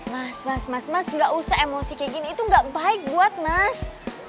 mas mas mas mas gak usah emosi kayak gini itu gak baik buat mas